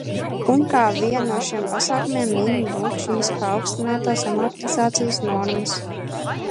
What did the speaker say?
Un kā vienu no šiem pasākumiem min, lūk, šīs paaugstinātās amortizācijas normas.